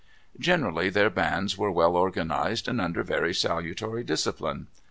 Generally their bands were well organized and under very salutary discipline.